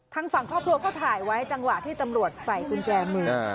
ทางฝั่งครอบครัวก็ถ่ายไว้จังหวะที่ตำรวจใส่กุญแจมือ